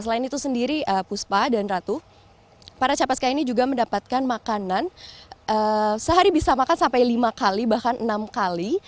selain itu sendiri puspa dan ratu para capaska ini juga mendapatkan makanan sehari bisa makan sampai lima kali bahkan enam kali